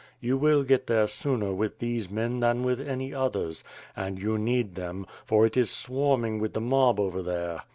You will get there sooner with these men than with any others; and you need them, for it is swarming with the mob over there.